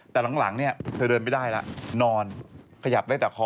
แต่หลังเนี่ยเธอเดินไม่ได้แล้วนอนขยับได้แต่คอ